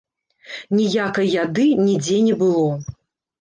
Ніякай яды нідзе не было.